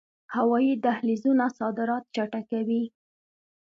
هوایی دهلیزونه صادرات چټکوي